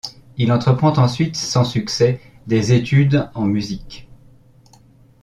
Il entreprend ensuite sans succès des études en musique.